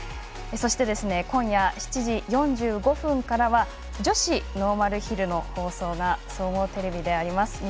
そして、今夜７時４５分からは女子ノーマルヒルの放送が総合テレビであります。